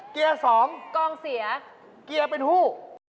เกียร์๑เกียร์๒เกียร์เป็นฮู้